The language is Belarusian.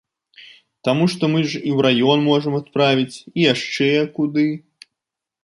Таму што мы ж і ў раён можам адправіць і яшчэ куды.